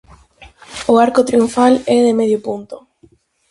O arco triunfal é de medio punto.